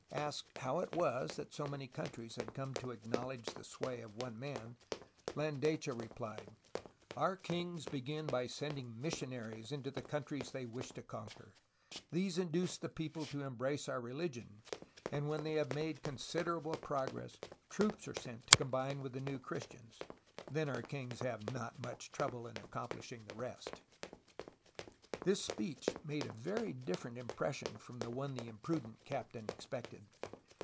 Asked how it was that so many countries had come to acknowledge the sway of one man, Landecho repHed : "Our kings begin by sending missionaries into the countries they wish to conquer. These induce the people to embrace our religion, and when they have made considerable progress troops are sent to combine with the new Christians. Then our kings have not much trouble in accomplishing the rest." 40 A HISTORY OF CALIFORNIA This speech made a very different impression from the one the imprudent captain expected.